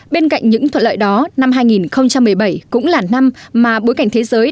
bên cạnh những thuận lợi đó năm hai nghìn một mươi bảy cũng là năm mà bối cảnh thế giới